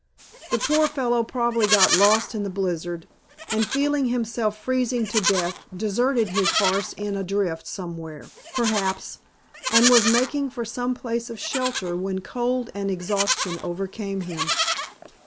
The poor fellow probably got lost in the blizzard, and feeling himself freezing to death deserted his horse in a drift somewhere, perhaps, and was making for some place of shelter when cold and exhaustion overcame him."